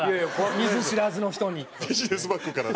見ず知らずの人に。